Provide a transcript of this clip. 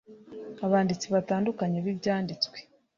abanditsi batandukanye b ibyanditswe